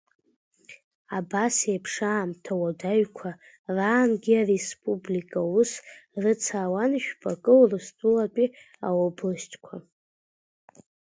Абас еиԥш аамҭа уадаҩқәа раангьы, ареспублика аус рыцнауан жәпакы Урыстәылатәи аобластқәа.